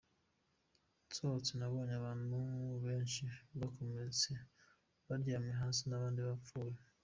nsohotse nabonye abantu benshi bakomeretse baryamye hasi, n'abandi bapfuye.